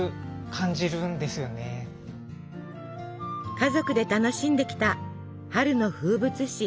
家族で楽しんできた春の風物詩。